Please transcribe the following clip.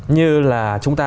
như là chúng ta